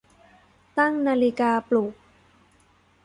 ตั้งนาฬิกาปลุก